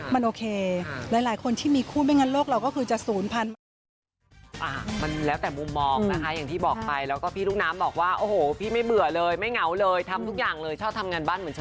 มันโอเคหลายคนที่มีคู่ไม่งั้นโลกเราก็คือจะ๐๐บาท